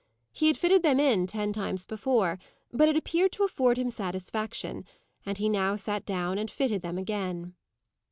He had fitted them in ten times before, but it appeared to afford him satisfaction, and he now sat down and fitted them again.